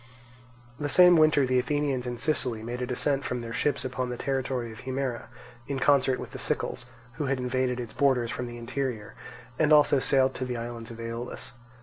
The same winter the Athenians in Sicily made a descent from their ships upon the territory of Himera, in concert with the Sicels, who had invaded its borders from the interior, and also sailed to the islands of Aeolus.